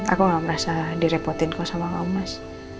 aku gak merasa direpotin kamu sama kamu mas